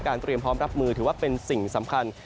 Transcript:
เตรียมพร้อมรับมือถือว่าเป็นสิ่งสำคัญ